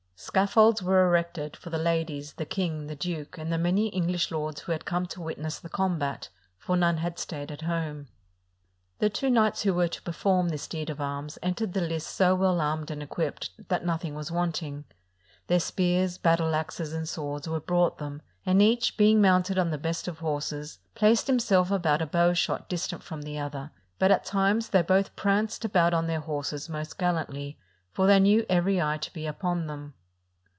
Scaffolds were erected for the ladies, the king, the duke, and the many EngHsh lords who had come to witness the combat; for none had stayed at home. The two knights who were to perform this deed of arms entered the Hsts so well armed and equipped that nothing was wanting. Their spears, battle axes, and swords were brought them; and each, being mounted on the best of horses, placed himself about a bow shot distant from the other ; but at times they both pranced about on their horses most gallantly, for they knew every eye to be upon them.